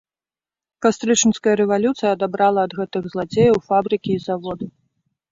Кастрычніцкая рэвалюцыя адабрала ад гэтых зладзеяў фабрыкі і заводы.